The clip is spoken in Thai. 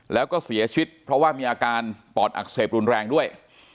แล้วก็เสียชีวิตเพราะว่ามีอาการปอดอักเสบรุนแรงด้วย